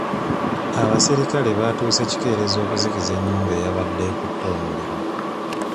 Abaserikale batuuse kikeerezi okuzikiza ennyumba eyabadde ekutte omuliro.